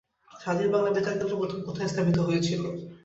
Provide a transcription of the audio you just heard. স্বাধীন বাংলা বেতার কেন্দ্র প্রথম কোথায় স্থাপিত হয়েছিল?